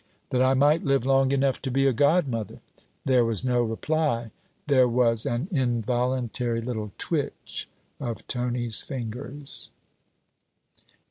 'That I might live long enough to be a godmother.' There was no reply: there was an involuntary little twitch of Tony's fingers.